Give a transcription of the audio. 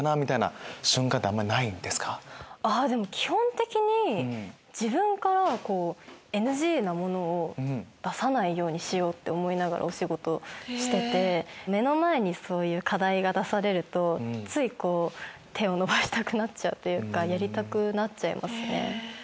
あっでも基本的に自分からこう。って思いながらお仕事してて目の前にそういう課題が出されるとついこう手を伸ばしたくなっちゃうというかやりたくなっちゃいますね。